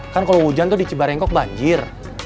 kan kalau hujan tuh di cibarengkok banjir